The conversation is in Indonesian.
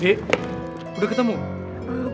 dik udah ketemu